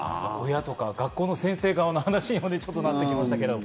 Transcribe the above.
親とか学校の先生側の話にもなってきましたけど。